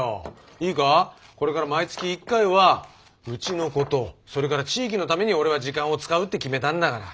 これから毎月１回はうちのことそれから地域のために俺は時間を使うって決めたんだから。